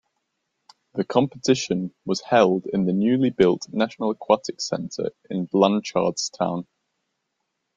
The competition was held in the newly built National Aquatic Centre in Blanchardstown.